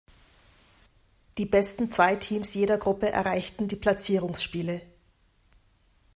Die besten zwei Teams jeder Gruppe erreichten die Platzierungsspiele.